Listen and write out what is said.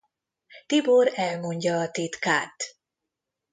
Tibor elmondja a titkát.